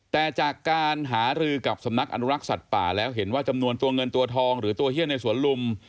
แต่จากการหารือกับสำนักอนุรักษ์สัตว์ป่าแล้วเห็นว่าจำนวนตัวเงินตัวทองหรือตัวเฮียนในสวนลุม